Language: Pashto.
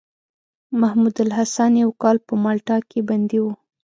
محمودالحسن يو کال په مالټا کې بندي وو.